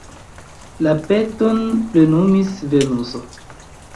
La peton plenumis Venuso.